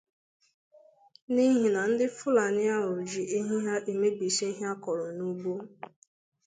n'ihi na ndị Fụlani ahụ ji ehi ha emebisi ihe a kọrọ n'ugbo.